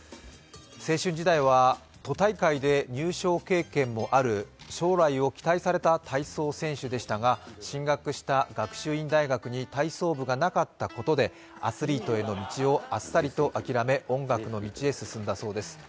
青春時代は都大会で入賞経験もある将来を期待された体操選手でしたが進学した学習院大学に体操部がなかったことで、アスリートへの道をあっさりと諦め音楽の道へ進んだそうです。